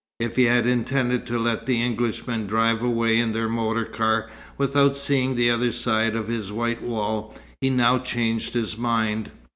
If he had intended to let the Englishmen drive away in their motor car without seeing the other side of his white wall, he now changed his mind.